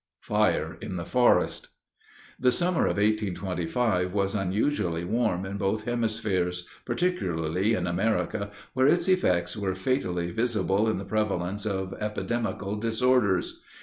FIRE IN THE FOREST. "The summer of 1825 was unusually warm in both hemispheres, particularly in America, where its effects were fatally visible in the prevalence of epidemical disorders.